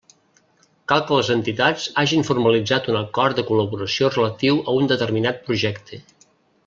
Cal que les entitats hagin formalitzat un acord de col·laboració relatiu a un determinat projecte.